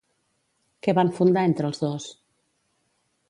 Què van fundar entre els dos?